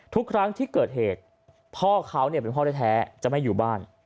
ทุกครั้งที่เกิดเหตุพ่อเขาเป็นพ่อแท้จะไม่อยู่บ้าน